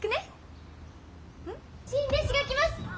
新弟子が来ます！